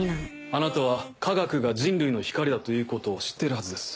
あなたは科学が人類の光だということを知っているはずです。